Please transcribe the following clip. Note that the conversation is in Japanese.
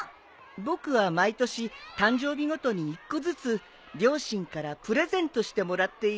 僕は毎年誕生日ごとに１個ずつ両親からプレゼントしてもらっているのさ。